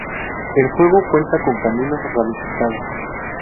El juego cuenta con caminos ramificados.